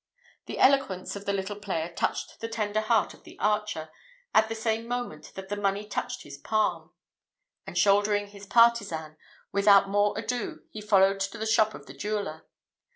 The eloquence of the little player touched the tender heart of the archer, at the same moment that the money touched his palm; and, shouldering his partisan, without more ado he followed to the shop of the jeweller.